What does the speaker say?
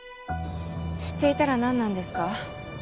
知っていたら何なんですか？